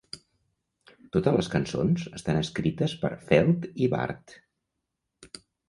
Totes les cançons estan escrites per Felt i Ward.